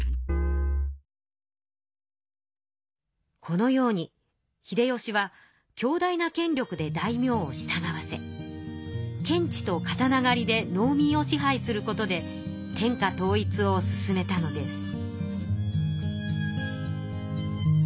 このように秀吉は強大なけん力で大名を従わせ検地と刀狩で農民を支配することで天下統一を進めたのです。